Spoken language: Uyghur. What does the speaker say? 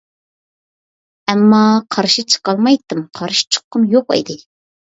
ئەمما قارشى چىقالمايتتىم، قارشى چىققۇم يوق ئىدى.